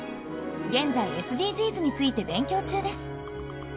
現在ＳＤＧｓについて勉強中です。